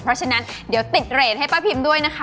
เพราะฉะนั้นเดี๋ยวติดเรทให้ป้าพิมด้วยนะคะ